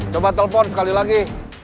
coba telpon sekali lagi